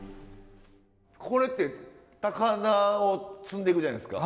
これって高菜を積んでいくじゃないですか。